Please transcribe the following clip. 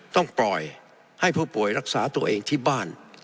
ต้องปล่อยให้ผู้ป่วยรักษาตัวเองที่บ้าน